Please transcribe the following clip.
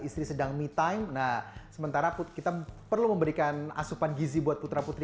istri sedang me time nah sementara kita perlu memberikan asupan gizi buat putra putri